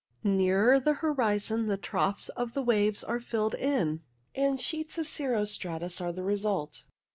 Nearer the horizon the troughs of the waves are filled in, and sheets of cirro stratus are the result.